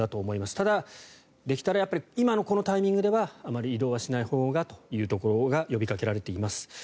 ただ、できたら今のこのタイミングではあまり移動はしないほうがということが呼びかけられています。